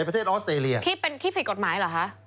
ที่ผิดกฎหมายเหรอคะ